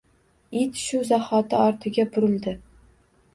It shu zahoti ortiga burildi